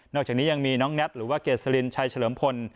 อกจากนี้ยังมีน้องแน็ตหรือว่าเกษลินชัยเฉลิมพล